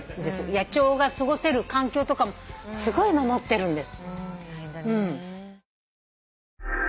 野鳥が過ごせる環境とかすごい守ってるんです。